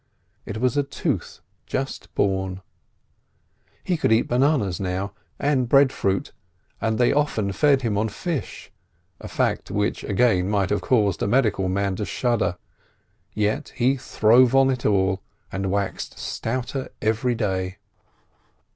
It was a tooth just born. He could eat bananas now, and breadfruit, and they often fed him on fish—a fact which again might have caused a medical man to shudder; yet he throve on it all, and waxed stouter every day.